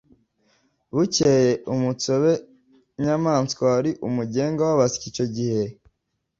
bukeye umutsobe nyamwasa wari umugenga w’abasyi icyo gihe